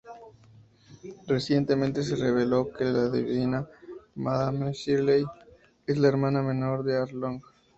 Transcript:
Recientemente se reveló que la adivina Madame Shirley es la hermana menor de Arlong.